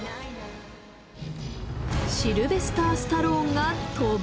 シルベスター・スタローンが飛ぶ！